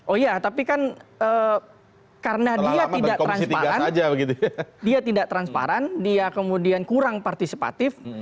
oh iya tapi kan karena dia tidak transparan dia tidak transparan dia kemudian kurang partisipatif